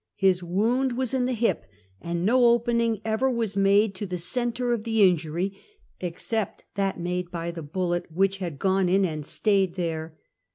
His wound was in the hip, and no opening ever was made to the center of the injury, except that made by the bullet which had gone in and staid there.